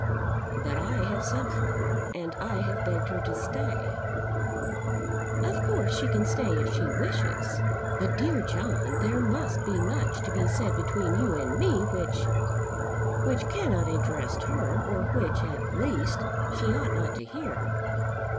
"But I have sent for her, and I have begged her to stay." "Of course she can stay if she wishes. But, dear John, there must be much to be said between you and me which, which cannot interest her; or which, at least, she ought not to hear."